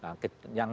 satu paket yang logik